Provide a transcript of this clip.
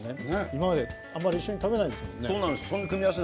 今まであまり一緒に食べないからね。